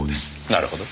なるほど。